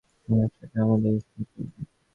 মনে হচ্ছে এটা আমাদেরই সামলাতে হবে।